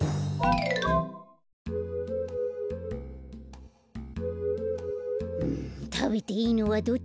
うんたべていいのはどっちかひとつ。